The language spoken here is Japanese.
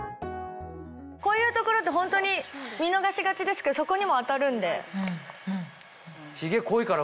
こういう所ってホントに見逃しがちですけどそこにも当たるんで。